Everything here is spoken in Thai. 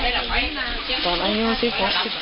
รับจ้างก็เข้าเป็นพัก